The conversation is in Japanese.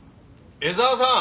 江沢さん！